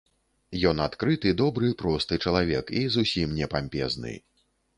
Ён адкрыты, добры, просты чалавек і зусім не пампезны.